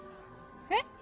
えっ？